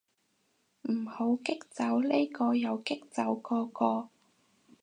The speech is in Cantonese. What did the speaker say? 唔好激走呢個又激走嗰個